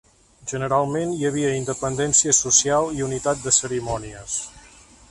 Generalment hi havia independència social i unitat de cerimònies.